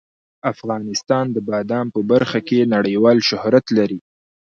افغانستان د بادام په برخه کې نړیوال شهرت لري.